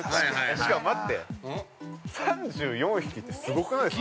◆待って、３４匹ってすごくないすか。